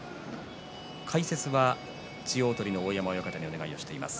解説は千代鳳の大山親方にお願いしています。